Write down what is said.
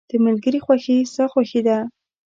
• د ملګري خوښي ستا خوښي ده.